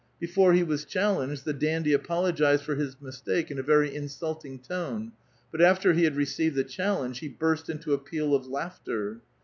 Before he was chal lenged, the dandy apologized. for his mistake in a very insult ing tone; but after he had received the challenge, he burst into a peal of laughter.